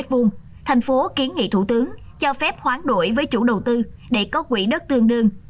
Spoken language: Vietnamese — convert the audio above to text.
tp hcm kiến nghị thủ tướng cho phép khoán đổi với chủ đầu tư để có quỹ đất tương đương